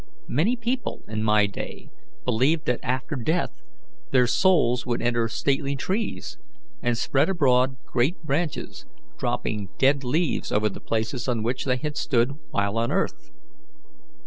Many people in my day believed that after death their souls would enter stately trees, and spread abroad great branches, dropping dead leaves over the places on which they had stood while on earth.